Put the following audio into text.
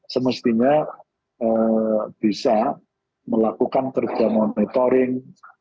semestinya bisa melakukan kerja monitoring